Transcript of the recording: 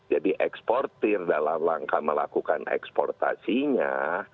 jadi eksportir dalam langkah melakukan eksportasinya